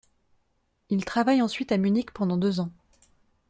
Il travaille ensuite à Munich pendant deux ans.